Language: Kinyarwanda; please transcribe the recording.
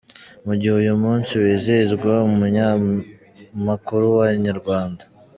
Mu gihe uyu munsi wizihizwa, umunyamakuru wa Inyarwanda.